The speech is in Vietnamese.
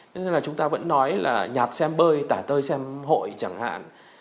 nên là chúng ta vẫn nói là nhạt xem bơi tải tơi xem hội chẳng hạn